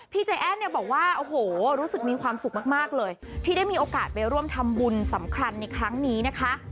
ใจแอ้นเนี่ยบอกว่าโอ้โหรู้สึกมีความสุขมากเลยที่ได้มีโอกาสไปร่วมทำบุญสำคัญในครั้งนี้นะคะ